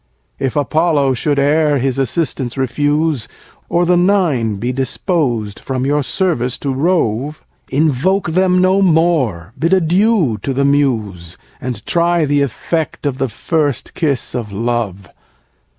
3. If Apollo should e'er his assistance refuse, Or the Nine be dispos'd from your service to rove, Invoke them no more, bid adieu to the Muse, And try the effect, of the first kiss of love.